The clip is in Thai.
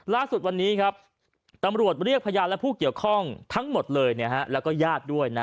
ลักษณะสุดวันนี้ตำรวจเรียกพญานและผู้เกี่ยวข้องทั้งหมดและญาติด้วย